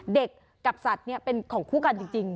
เด็กกับสัตว์เนี่ยเป็นของคู่กันจริง